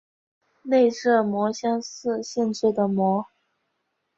内射模相似性质的模。